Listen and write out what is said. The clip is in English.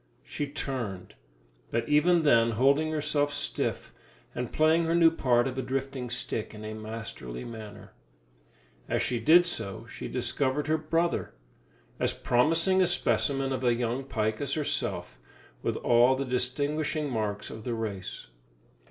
She turned, but even then holding herself stiff, and playing her new part of a drifting stick in a masterly manner. As she did so she discovered her brother, as promising a specimen of a young pike as herself, with all the distinguishing marks of the race.